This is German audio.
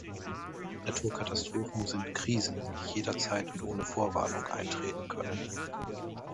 Naturkatastrophen sind Krisen, die jederzeit und ohne Vorwarnung eintreten können.